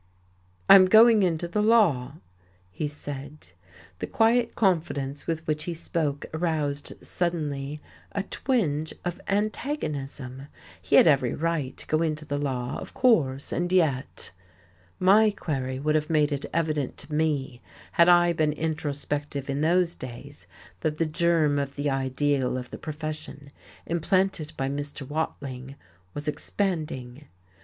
"I'm going into the law," he said. The quiet confidence with which he spoke aroused, suddenly, a twinge of antagonism. He had every right to go into the law, of course, and yet!... my query would have made it evident to me, had I been introspective in those days, that the germ of the ideal of the profession, implanted by Mr. Watling, was expanding.